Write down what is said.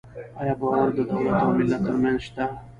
آیا باور د دولت او ملت ترمنځ شته؟